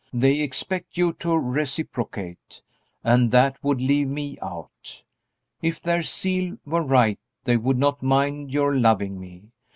They expect you to reciprocate. And that would leave me out. If their zeal were right they would not mind your loving me.